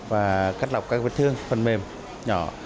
và cắt lọc các vết thương phần mềm nhỏ